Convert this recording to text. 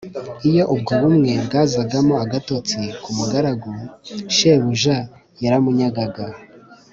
iyo ubwo bumwe bwazagamo agatotsi ku mugaragu, shebuja yaramunyagaga,